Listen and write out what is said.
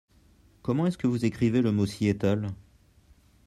Comment est-ce que vous écrivez le mot Seattle ?